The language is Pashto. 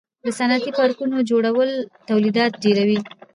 د صنعتي پارکونو جوړول تولیدات ډیروي.